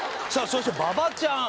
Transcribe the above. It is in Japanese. そして馬場ちゃん